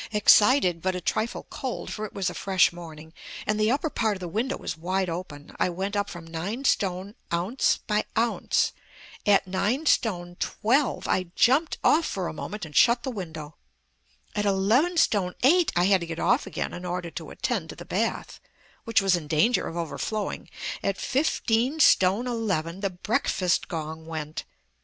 Excited but a trifle cold, for it was a fresh morning, and the upper part of the window was wide open, I went up from nine stone ounce by ounce.... At nine stone twelve I jumped off for a moment and shut the window.... At eleven stone eight I had to get off again in order to attend to the bath, which was in danger of overflowing.... At fifteen stone eleven the breakfast gong went....